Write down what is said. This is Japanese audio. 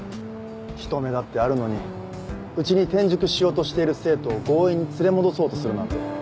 人目だってあるのにうちに転塾しようとしてる生徒を強引に連れ戻そうとするなんて。